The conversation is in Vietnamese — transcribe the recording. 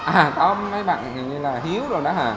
à có mấy bạn như là hiếu rồi đó hả